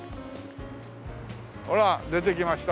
ほら出てきました。